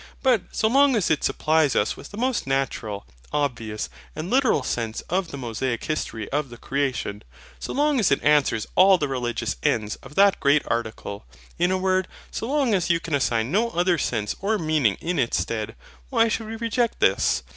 But, so long as it supplies us with the most natural, obvious, and literal sense of the Mosaic history of the creation; so long as it answers all the religious ends of that great article; in a word, so long as you can assign no other sense or meaning in its stead; why should we reject this?